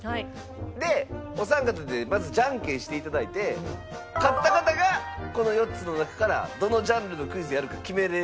でお三方でまずジャンケンしていただいて勝った方がこの４つの中からどのジャンルのクイズやるか決められると。